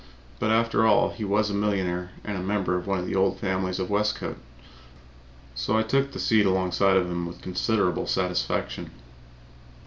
But, after all, he was a millionaire and a member of one of the "old families" of Westcote, so I took the seat alongside of him with considerable satisfaction.